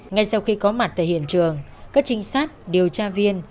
ngay sau khi có mặt tại hiện trường các trinh sát điều tra viên